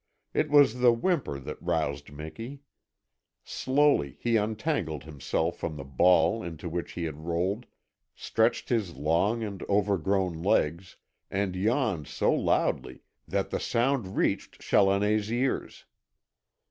It was the whimper that roused Miki. Slowly he untangled himself from the ball into which he had rolled, stretched his long and overgrown legs, and yawned so loudly that the sound reached Challoner's ears.